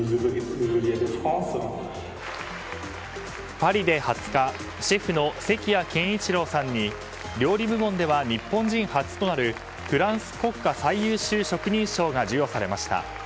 パリで２０日シェフの関谷健一朗さんに料理部門では日本人初となるフランス国家最優秀職人章が授与されました。